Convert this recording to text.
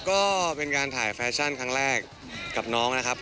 ก็เป็นการถ่ายแฟชั่นครั้งแรกกับน้องนะครับ